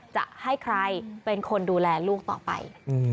จะให้ใครเป็นคนดูแลลูกต่อไป